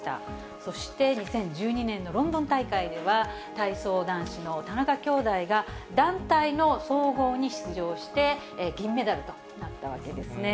そして２０１２年のロンドン大会では、体操男子の田中兄弟が、団体の総合に出場して、銀メダルとなったわけですね。